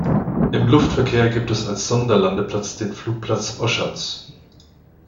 Im Luftverkehr gibt es als Sonderlandeplatz den Flugplatz Oschatz.